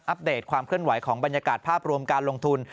เดตความเคลื่อนไหวของบรรยากาศภาพรวมการลงทุน